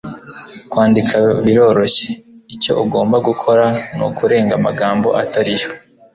kwandika biroroshye. icyo ugomba gukora nukurenga amagambo atari yo